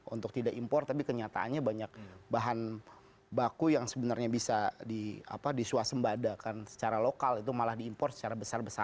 untuk tidak impor tapi kenyataannya banyak bahan baku yang sebenarnya bisa disuasembadakan secara lokal itu malah diimpor secara besar besaran